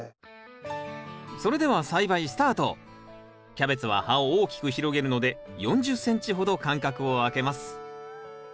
キャベツは葉を大きく広げるので４０ｃｍほど間隔を空けます。